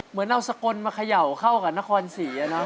เหมือนเอาสกลมาขยัวเข้ากับนครศรี